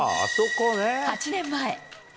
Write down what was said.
８年前。